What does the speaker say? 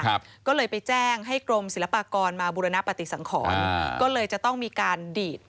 ก็เลยไปแจ้งให้กรมศิลปากรมาบุรณปฏิสังขรอ่าก็เลยจะต้องมีการดีด